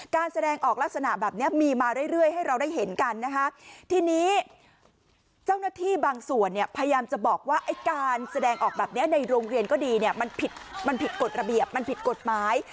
แสดงออกลักษณะแบบนี้มีมาเรื่อยให้เราได้เห็นกันนะคะทีนี้เจ้าหน้าที่บางส่วนเนี่ยพยายามจะบอกว่าไอ้การแสดงออกแบบนี้ในโรงเรียนก็ดีเนี่ยมันผิดมันผิดกฎระเบียบมันผิดกฎหมาย